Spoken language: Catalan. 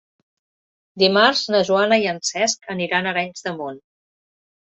Dimarts na Joana i en Cesc aniran a Arenys de Munt.